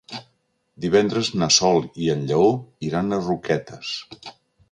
Divendres na Sol i en Lleó iran a Roquetes.